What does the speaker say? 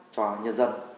cho nhân dân